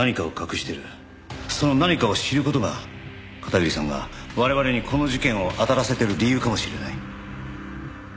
その何かを知る事が片桐さんが我々にこの事件をあたらせてる理由かもしれない。